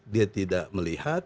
dia tidak melihat